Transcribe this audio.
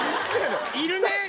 いるね！